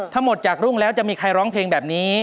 ถ้าหมดจากรุ่งแล้วจะมีใครร้องเพลงแบบนี้